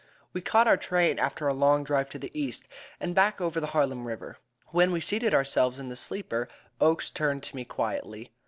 We caught our train after a long drive to the east, and back over the Harlem River. When we seated ourselves in the sleeper, Oakes turned to me quietly.